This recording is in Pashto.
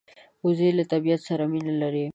وزې له طبیعت سره مینه لري